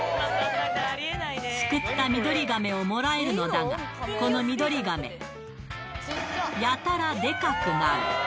すくったミドリガメをもらえるのだが、このミドリガメ、やたらでかくなる。